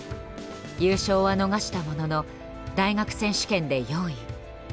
優勝は逃したものの大学選手権で４位。